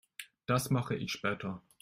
Das mache ich später.